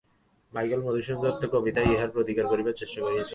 Michael Madhusudan Dutta কবিতায় ইহার প্রতিকার করিবার চেষ্টা করিয়াছিলেন।